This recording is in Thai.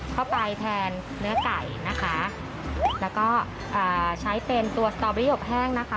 เข้าไปแทนเนื้อไก่นะคะแล้วก็อ่าใช้เป็นตัวสตอเบอรี่อบแห้งนะคะ